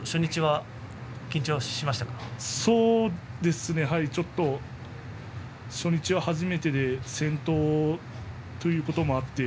そうですね初日は初めてで先頭ということもあって